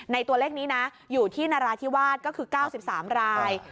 ตัวเลขนี้นะอยู่ที่นราธิวาสก็คือ๙๓ราย